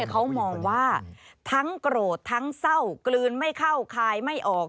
เขามองว่าทั้งโกรธทั้งเศร้ากลืนไม่เข้าคายไม่ออก